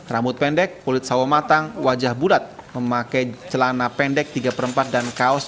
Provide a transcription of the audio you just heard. rambut pendek kulit sawo matang wajah bulat memakai celana pendek tiga per empat dan kaos